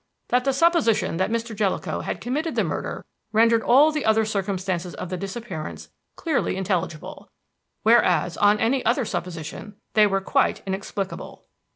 That the supposition that Mr. Jellicoe had committed the murder rendered all the other circumstances of the disappearance clearly intelligible, whereas on any other supposition they were quite inexplicable."